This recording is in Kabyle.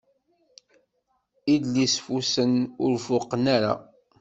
Idlisfusen ur fuqen ara.